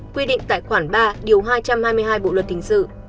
quy định tại khoản ba điều hai trăm hai mươi hai bộ luật hình sự